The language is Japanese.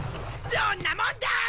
どんなもんだい！